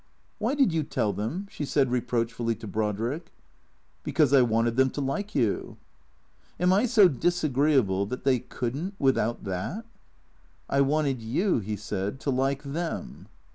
Why did you tell them ?" she said reproachfully to Brod riek. " Because I wanted them to like you." " Am I so disagreeable that they could n't — without that ?"" I wanted you," he said, " to like them."